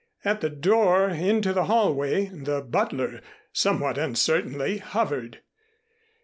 At the door into the hallway, the butler, somewhat uncertainly, hovered.